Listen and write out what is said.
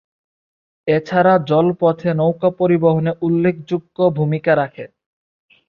এছাড়া জলপথে নৌকা পরিবহনে উল্লেখযোগ্য ভূমিকা রাখে।